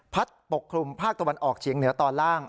ปกคลุมภาคตะวันออกเฉียงเหนือตอนล่าง